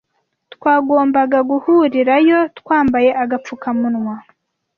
Twagombaga guhurirayo twambaye agapfukamunwa